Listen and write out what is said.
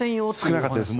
少なかったです。